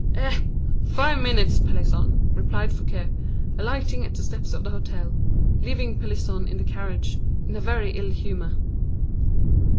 "Eh! five minutes, Pelisson," replied Fouquet, alighting at the steps of the hotel, leaving Pelisson in the carriage, in a very ill humor.